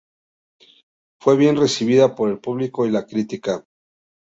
Fue bien recibida por el público y la crítica.